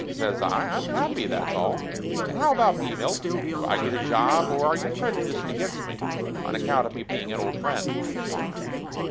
says I. "I'm happy, that's all. And how about me, Milt? Do I get a job or are you prejudiced against me, on account of me being a old friend?"